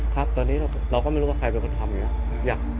ครับตอนนี้เราก็ไม่รู้ว่าใครเป็นคนทำอย่างนี้